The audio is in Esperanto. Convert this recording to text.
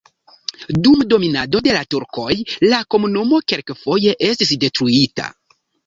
Dum dominado de la turkoj la komunumo kelkfoje estis detruita.